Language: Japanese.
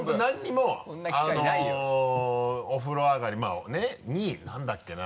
お風呂上がりに何だっけな？